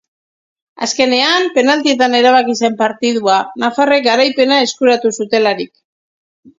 Azkenean penaltietan erabaki zen partidua, nafarrek garaipena eskuratu zutelarik.